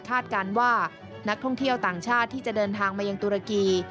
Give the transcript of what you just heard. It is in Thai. การว่านักท่องเที่ยวต่างชาติที่จะเดินทางมายังตุรกี